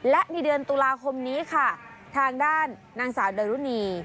และในเดือนตุลาคมนี้ค่ะทางด้านนางสาวดารุณี